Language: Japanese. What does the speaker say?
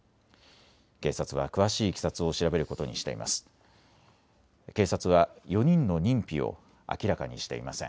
警察は詳しいいきさつを調べることにしています。